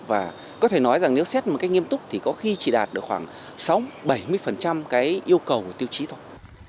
và có thể nói rằng nếu xét một cách nghiêm túc thì có khi chỉ đạt được khoảng sáu mươi bảy mươi cái yêu cầu của tiêu chí thôi